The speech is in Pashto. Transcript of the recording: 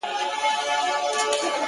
موسیقي ذهن اراموي